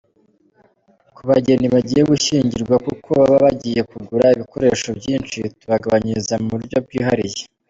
Ku bageni bagiye gushyingirwa kuko baba bagiye kugura ibikoresho byinshi, tubagabanyiriza mu buryo bwihariye.